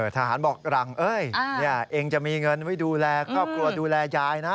ทหารบอกหลังเ๋อเนี่ยเองจะมีเงินไว้ดูแลครอบครัวดูแลใจนะ